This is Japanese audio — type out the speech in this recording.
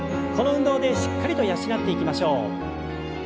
この運動でしっかりと養っていきましょう。